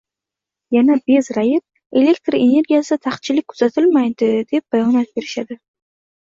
Yana bezrayib “elektr energiyasida taqchillik kuzatilmaydi” deb bayonot berishadi.